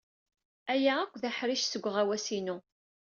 Aya akk d aḥric seg uɣawas-inu.